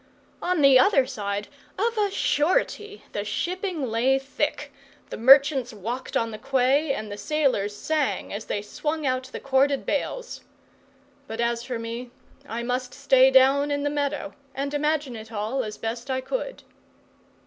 On the other side, of a surety, the shipping lay thick. The merchants walked on the quay, and the sailors sang as they swung out the corded bales. But as for me, I must stay down in the meadow, and imagine it all as best I could.